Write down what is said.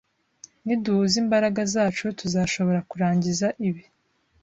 Niduhuza imbaraga zacu, tuzashobora kurangiza ibi